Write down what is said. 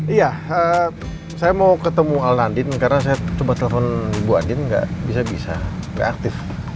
iya saya mau ketemu al dan andin karena saya coba telepon bu andin gak bisa bisa gak aktif